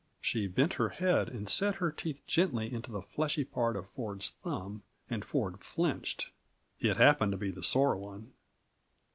She bent her head and set her teeth gently into the fleshy part of Ford's thumb, and Ford flinched. It happened to be the sore one.